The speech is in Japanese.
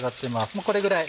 もうこれぐらい。